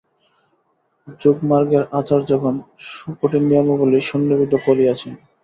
যোগমার্গের আচার্যগণ সুকঠিন নিয়মাবলী সন্নিবদ্ধ করিয়াছেন।